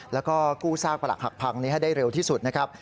แล้วก็กู้ซากประหลักหักพังนี้ให้ได้เร็วที่สุดนะครับ